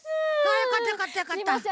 よかったよかったよかった。